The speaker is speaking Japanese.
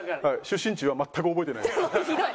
出身地は全く覚えてない。